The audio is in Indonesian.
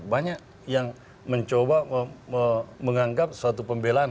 banyak yang mencoba menganggap suatu pembelaan